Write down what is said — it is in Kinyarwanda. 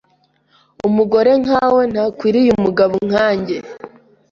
Umugore nkawe ntakwiriye umugabo nkanjye.